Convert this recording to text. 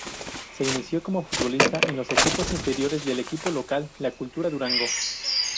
Se inició como futbolista en los equipos inferiores del equipo local, la Cultural Durango.